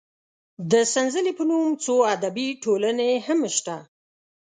د سنځلې په نوم څو ادبي ټولنې هم شته.